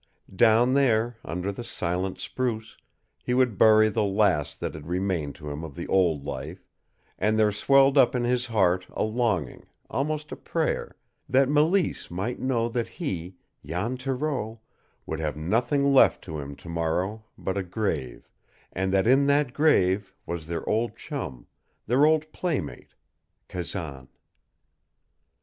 Down there, under the silent spruce, he would bury the last that had remained to him of the old life, and there swelled up in his heart a longing, almost a prayer, that Mélisse might know that he, Jan Thoreau, would have nothing left to him to morrow but a grave, and that in that grave was their old chum, their old playmate Kazan.